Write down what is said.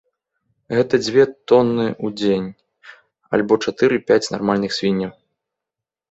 Гэта дзве тоны ў дзень, альбо чатыры-пяць нармальных свінняў.